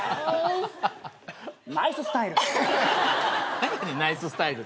何やねんナイススタイル。